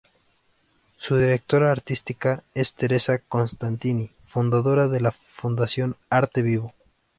Su directora artística es Teresa Costantini, fundadora de la Fundación Arte Vivo.